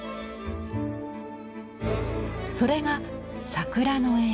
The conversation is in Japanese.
それが桜の絵。